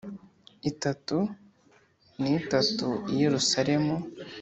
itatu n itatu i Yerusalemu